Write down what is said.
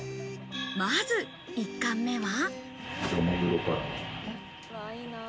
まず１貫目は。